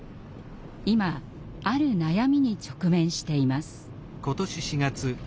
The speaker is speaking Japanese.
今ある悩みに直面しています。